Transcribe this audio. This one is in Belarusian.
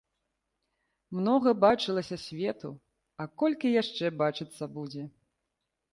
Многа бачылася свету, а колькі яшчэ бачыцца будзе.